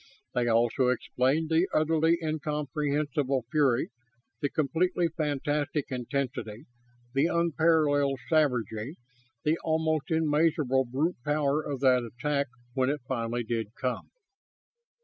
They also explain the utterly incomprehensible fury, the completely fantastic intensity, the unparalleled savagery, the almost immeasurable brute power of that attack when it finally did come.